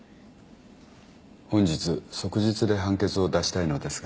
本日即日で判決を出したいのですが。